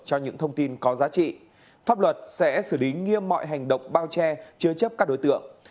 cho những thông tin có giá trị pháp luật sẽ xử lý nghiêm mọi hành động bao che chứa chấp các đối tượng